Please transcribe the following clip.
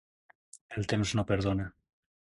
El temps no perdona.